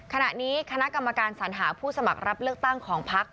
ขณะนี้คณะกรรมการสัญหาผู้สมัครรับเลือกตั้งของพัก